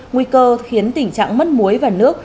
nguy cơ khiến tình trạng mất muối và nước